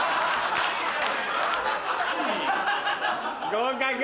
合格。